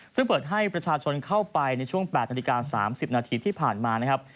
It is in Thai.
ซึ่งเปิดให้ประชาชนเข้าไปในช่วง๘นาฬิกา๓๐นาทีที่ผ่านมานะครับ